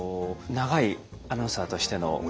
長いアナウンサーとしての。